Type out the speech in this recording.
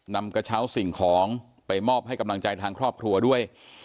นำกระเช้าสิ่งของไปมอบให้กำลังใจทางครอบครัวด้วย